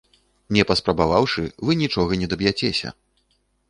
Не паспрабаваўшы, вы нічога не даб'яцеся!